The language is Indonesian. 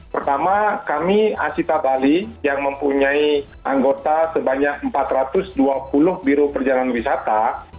pertama kami asita bali yang mempunyai anggota sebanyak empat ratus dua puluh biru perjalanan wisata